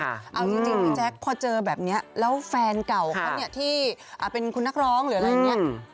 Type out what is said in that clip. เอาจริงพี่แจ๊คพอเจอแบบนี้แล้วแฟนเก่าเขาเนี่ยที่เป็นคุณนักร้องหรืออะไรอย่างนี้